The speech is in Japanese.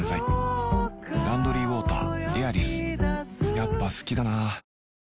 やっぱ好きだな